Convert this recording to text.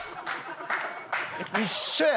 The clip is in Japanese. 一緒や。